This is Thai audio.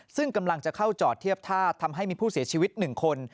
ซึ่งกำลังจะเข้าจอดเทียบท่าทำให้มีผู้เสียชีวิต๑คน